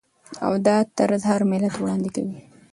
او دا طرز هر ملت وړاندې کوي.